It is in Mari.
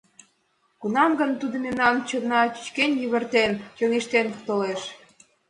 Кунам гын тудо мемнан чоннам чӱчкен-йывыртен чоҥештен толеш?..